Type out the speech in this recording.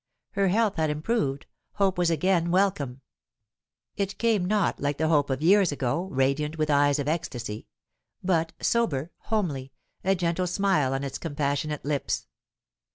Her health had improved; hope was again welcome. It came not like the hope of years ago, radiant, with eyes of ecstasy; but sober, homely, a gentle smile on its compassionate lips.